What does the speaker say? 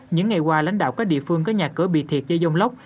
những ngày qua lãnh đạo các địa phương có nhà cửa bị thiệt do dông lốc